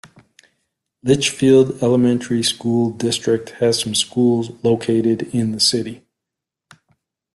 Litchfield Elementary School District has some schools located in the city.